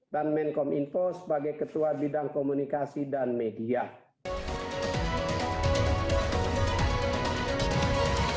dan menkoordinator bidang keuangan sebagai ketua dua bidang penyelenggaraan acara